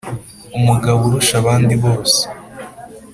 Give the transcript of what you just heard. umugabo urusha abandi bose